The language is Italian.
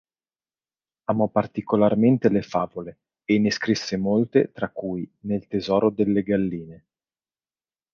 Amò particolarmente le favole e ne scrisse molte tra cui "Nel tesoro delle galline".